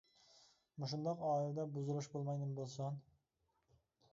مۇشۇنداق ئائىلىدە بۇزۇلۇش بولماي نېمە بولسۇن؟ !